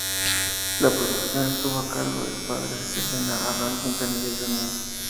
La producción estuvo a cargo del padre de Selena, Abraham Quintanilla Jr.